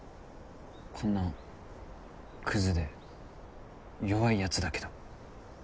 こんなクズで弱いやつだけど。